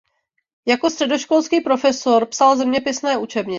Jako středoškolský profesor psal zeměpisné učebnice.